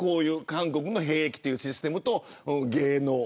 韓国の兵役のシステムと芸能。